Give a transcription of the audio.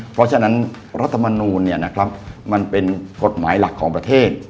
เพราะฉะนั้นรัฐมนูนเนี่ยนะครับมันเป็นกฎหมายหลักของประเทศ